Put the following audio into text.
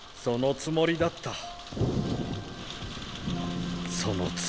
そのつもりだった。